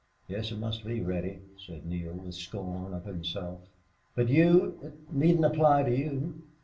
"Yes, it must be, Reddy," said Neale, with scorn of himself. "But you it needn't apply to you."